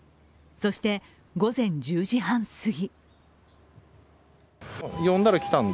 そして午前１０時半すぎ。